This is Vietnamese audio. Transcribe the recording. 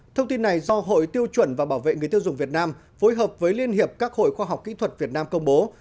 thông tin này do hội tiêu chuẩn và bảo vệ người tiêu dùng việt nam phối hợp với liên hiệp các hội khoa học kỹ thuật việt nam công bố